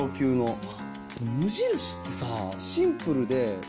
無印ってさ。